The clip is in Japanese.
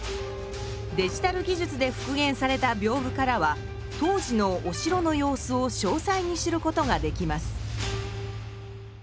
デジタル技術で復元された屏風からは当時のお城の様子をしょうさいに知ることができます。